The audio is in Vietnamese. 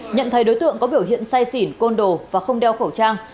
nhận thấy đối tượng có biểu hiện say xỉn côn đồ và không đeo khẩu trang